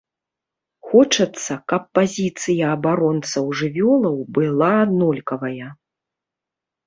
Хочацца, каб пазіцыя абаронцаў жывёлаў была аднолькавая.